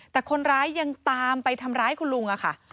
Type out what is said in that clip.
แต่คนร้ายยังตามไปทำร้ายคุณลุงค่ะ